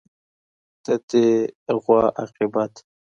د دې غوا عاقبت